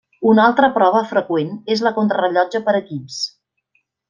Una altra prova freqüent és la contrarellotge per equips.